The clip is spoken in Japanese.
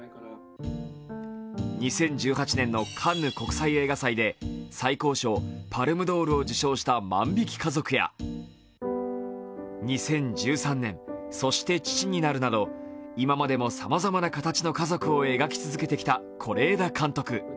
２０１８年のカンヌ国際映画祭で最高賞、パルムドールを受賞した「万引き家族」や２０１３年、「そして父になる」など今までもさまざまな形の家族を描き続けてきた是枝監督。